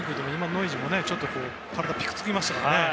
ノイジーも体がぴくつきましたからね。